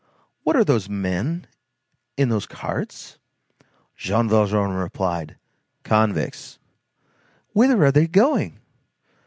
What are those men in those carts?" Jean Valjean replied: "Convicts." "Whither are they going?"